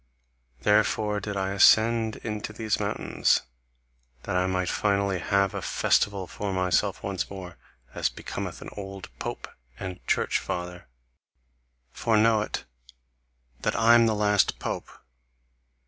Therefore did I ascend into these mountains, that I might finally have a festival for myself once more, as becometh an old pope and church father: for know it, that I am the last pope!